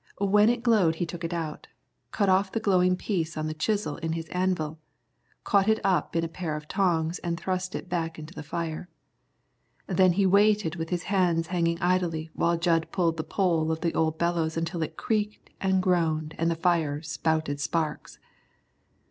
When it glowed he took it out, cut off the glowing piece on the chisel in his anvil, caught it up in a pair of tongs and thrust it back into the fire. Then he waited with his hands hanging idly while Jud pulled the pole of the old bellows until it creaked and groaned and the fire spouted sparks.